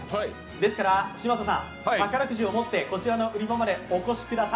ですから、嶋佐さん宝くじを持ってこちらの売り場まで来てください。